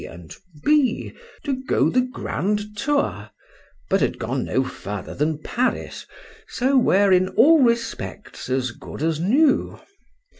and B. to go the grand tour, but had gone no further than Paris, so were in all respects as good as new.